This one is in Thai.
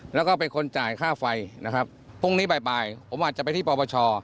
แล้วก็เป็นคนจ่ายค่าไฟนะครับพรุ่งนี้บ่ายบ่ายผมอาจจะไปที่ปปช